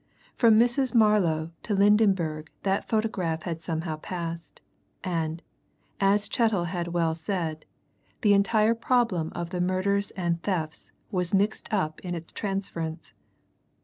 From Mrs. Marlow to Lydenberg that photograph had somehow passed, and, as Chettle had well said, the entire problem of the murders and thefts was mixed up in its transference.